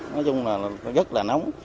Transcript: nói chung là rất là nóng